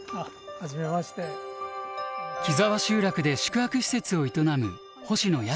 木沢集落で宿泊施設を営む星野靖さん。